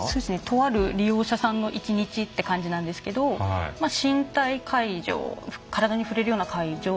とある利用者さんの一日って感じなんですけど身体介助体に触れるような介助。